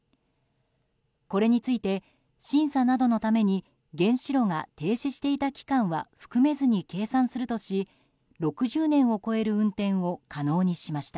これについて、審査などのために原子炉が停止していた期間は含めずに計算するとし６０年を超える運転を可能にしました。